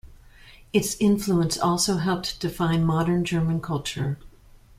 Its influence also helped define modern German culture.